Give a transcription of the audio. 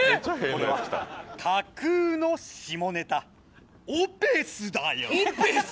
これは架空の下ネタオペスだよオペス！？